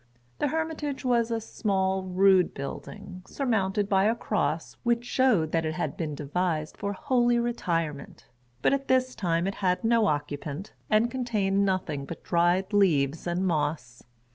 The hermitage was a small, rude building, surmounted by a cross, which showed that it had been devised for holy retirement; but at this time it had no occupant, and contained nothing but dried leaves and moss.